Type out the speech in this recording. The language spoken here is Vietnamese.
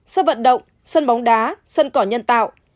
sân vận động sân bóng đá sân cỏ nhân tạo